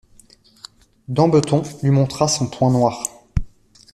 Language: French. Dambeton, lui montra son poing noir.